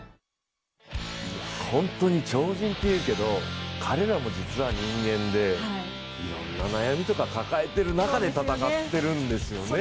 本当に超人っていうけど彼らも実は人間で、いろんな悩みとかを抱えている中で戦ってるんですよね。